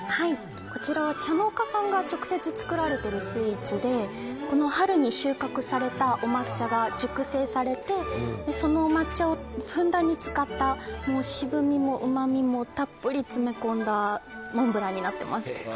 こちらは茶農家さんが直接作られているスイーツで春に収穫されたお抹茶が熟成されてそのお抹茶をふんだんに使った渋みもうまみもたっぷり詰め込んだモンブランになっています。